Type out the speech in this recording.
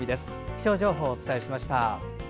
気象情報をお伝えしました。